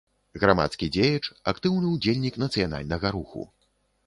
Грамадскі дзеяч, актыўны ўдзельнік нацыянальнага руху.